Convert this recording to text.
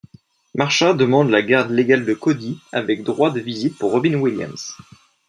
Marsha demande la garde légale de Cody, avec droit de visite pour Robin Williams.